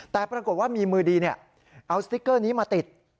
แต่ปรากฏว่ามีมือดีเอาสติ๊กเกอร์นี้มาติด